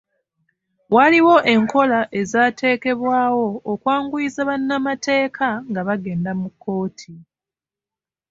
Waliwo enkola ezaatekebwawo okwanguyiza bannamateeka nga bagenda mu kkooti.